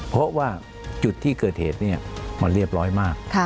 เพราะว่าจุดที่เกิดเหตุมันเรียบร้อยมาก